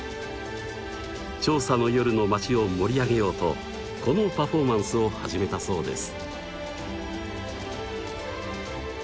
長沙の夜の街を盛り上げようとこのパフォーマンスを始めたそうです。